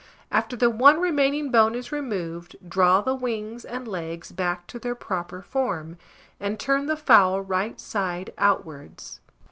After the one remaining bone is removed, draw the wings and legs back to their proper form, and turn the fowl right side outwards.